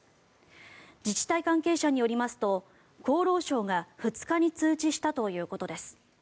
自治体関係者によりますと厚労省が２日に通知したということです。